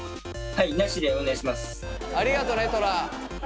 はい。